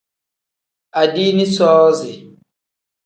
Adiini soozi.